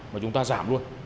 mà chúng ta giảm luôn